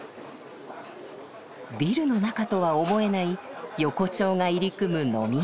ビルの中とは思えない横町が入り組む飲み屋街。